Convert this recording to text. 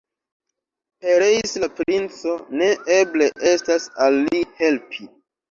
Pereis la princo, ne eble estas al li helpi.